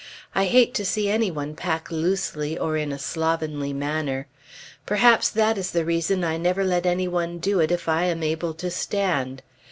I hate to see any one pack loosely or in a slovenly manner. Perhaps that is the reason I never let any one do it if I am able to stand.